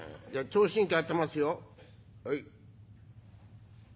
じゃあ聴診器あてますよ。はい」。